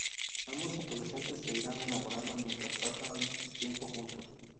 Ambos adolescentes se irán enamorando mientras pasan tiempo juntos.